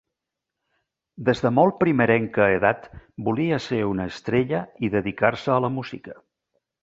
Des de molt primerenca edat volia ser una estrella i dedicar-se a la música.